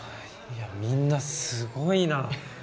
いやみんなすごいな。